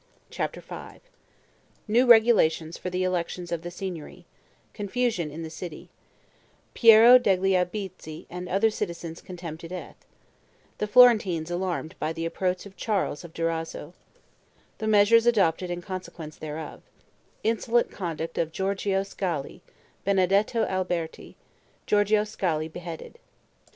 CHAPTER V New regulations for the elections of the Signory Confusion in the City Piero degli Albizzi and other citizens condemned to death The Florentines alarmed by the approach of Charles of Durazzo The measures adopted in consequence thereof Insolent Conduct of Giorgio Scali Benedetto Alberti Giorgio Scali beheaded.